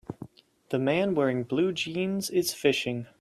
The man wearing blue jeans is fishing